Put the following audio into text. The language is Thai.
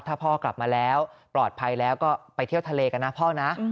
ถ้าพ่อกลับมาแล้วปลอดภัยแล้วก็ไปเที่ยวทะเลกันนะพ่อนะ